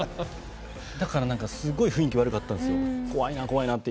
だからすごい雰囲気悪かったんですよ。